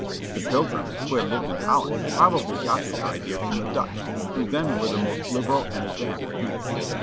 The Pilgrims, who had lived in Holland, probably got this idea from the Dutch, who then were the most liberal and advanced people.